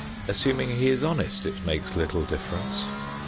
Assuming he is honest, it makes little difference.